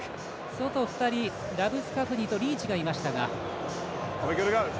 外２人、ラブスカフニとリーチがいましたが。